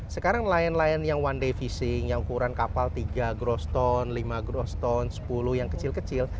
sekarang nelayan nelayan yang one day fishing yang ukuran kapal tiga groston lima groston sepuluh yang kecil kecil